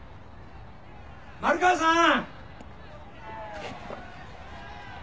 ・丸川さん！